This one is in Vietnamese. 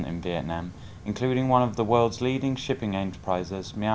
đặc biệt là một trong những hãng vận tải biển hàng đầu thế giới của thế giới merckxline